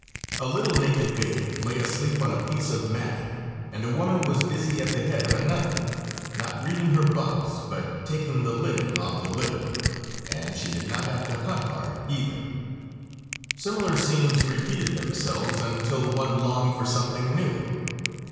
A little naked babe lay asleep on a piece of matting, and a woman was busy at the head of another not reading her bumps, but taking the living off the living and she did not have to hunt hard either. Similar scenes repeated themselves until one longed for something new.